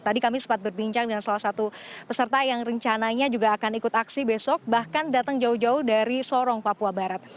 tadi kami sempat berbincang dengan salah satu peserta yang rencananya juga akan ikut aksi besok bahkan datang jauh jauh dari sorong papua barat